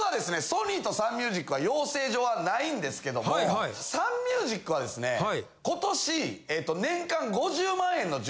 ソニーとサンミュージックは養成所はないんですけどもサンミュージックはですね今年。